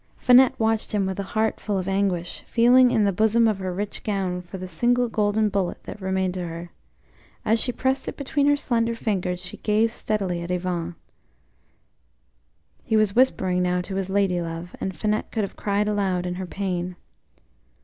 Finette watched him with a heart full of anguish, feeling in the bosom of her rich gown for the single golden bullet that remained to her. As she pressed it between her slender fingers she gazed steadily at Yvon; he was whispering now to his lady love, and Finette could have cried aloud in her pain.